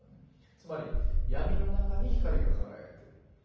つまり闇の中に光が輝いてる。